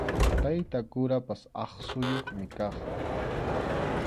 Tayta kurapas aqsuyuqmi kaq.